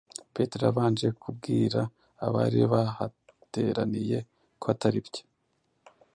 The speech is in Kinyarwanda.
Petero yabanje kubwira abari bahateraniye ko ataribyo